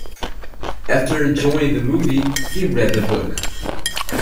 After enjoying the movie, he read the book.